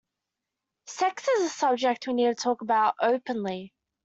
Sex is a subject that we need to talk about openly.